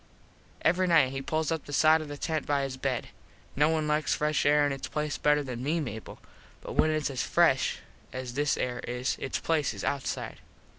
Every nite he pulls up the side of the tent by his bed. No one likes fresh air in its place better than me, Mable, but when its as fresh as this air is its place is outside.